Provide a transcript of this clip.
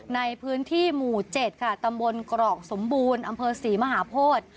ในพื้นที่หมู่๗ค่ะตำบลกรอกสมบูรณ์อำเภอศรีมหาโพธิ